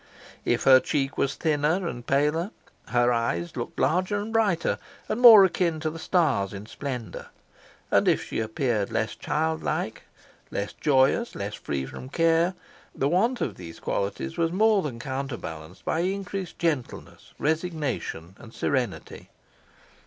If her check was thinner and paler, her eyes looked larger and brighter, and more akin to the stars in splendour; and if she appeared less childlike, less joyous, less free from care, the want of these qualities was more than counterbalanced by increased gentleness, resignation, and serenity.